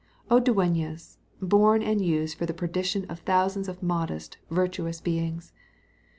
O dueñas, born and used for the perdition of thousands of modest, virtuous beings!